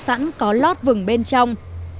sẵn có lót vừng bên trong